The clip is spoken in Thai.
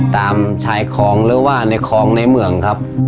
ตามชายคลองหรือว่าในคลองในเมืองครับ